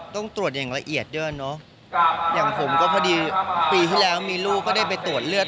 ต้องตรวจอย่างละเอียดด้วยเนอะอย่างผมก็พอดีปีที่แล้วมีลูกก็ได้ไปตรวจเลือด